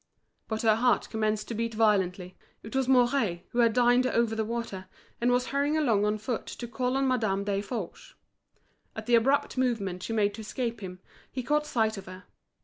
But her heart commenced to beat violently. It was Mouret, who had dined over the water, and was hurrying along on foot to call on Madame Desforges. At the abrupt movement she made to escape him, he caught sight of her.